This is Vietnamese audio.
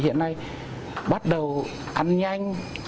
hiện nay bắt đầu ăn nhanh